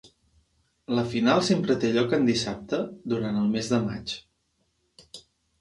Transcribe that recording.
La final sempre té lloc en dissabte, durant el mes de maig.